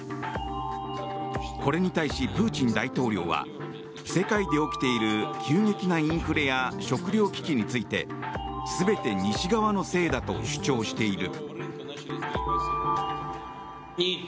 これに対しプーチン大統領は世界で起きている急激なインフレや食糧危機について全て西側のせいだと主張している。